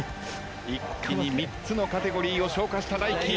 一気に３つのカテゴリーを消化したＤＡＩＫＩ。